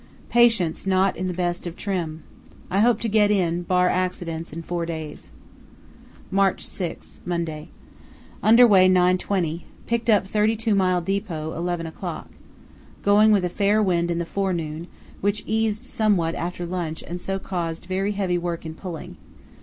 Patients not in the best of trim. I hope to get in, bar accidents, in four days. "March 6, Monday.—Under way 9.20. Picked up thirty two mile depot 11 o'clock. Going with a fair wind in the forenoon, which eased somewhat after lunch and so caused very heavy work in pulling.